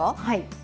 はい。